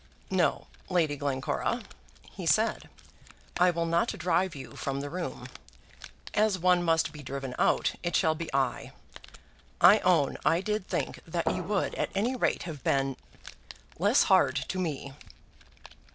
"No, Lady Glencora," he said, "I will not drive you from the room. As one must be driven out, it shall be I. I own I did think that you would at any rate have been less hard to me."